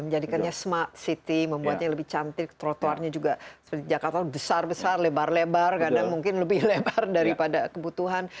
menjadikannya smart city membuatnya lebih cantik trotoarnya juga seperti jakarta besar besar lebar lebar kadang mungkin lebih lebar daripada kebutuhan